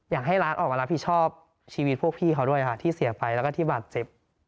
อยากให้ร้านออกมารับผิดชอบชีวิตพวกพี่เขาด้วยค่ะที่เสียไปแล้วก็ที่บาดเจ็บ